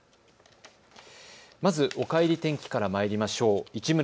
おかえり天気からまいりましょう。